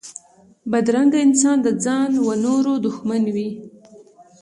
بدرنګه انسان د ځان و نورو دښمن وي